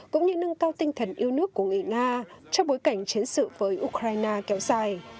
cũng như nâng cao tinh thần yêu nước của người nga trong bối cảnh chiến sự với ukraine kéo dài